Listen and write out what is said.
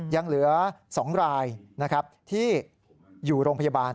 ยังเหลือ๒รายที่อยู่โรงพยาบาล